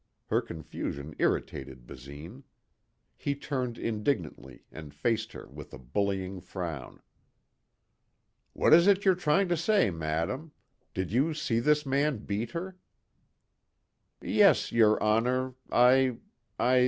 Her confusion irritated Basine. He turned indignantly and faced her with a bullying frown. "What is it you're trying to say, madam? Did you see this man beat her?" "Yes, your honor.... I.... I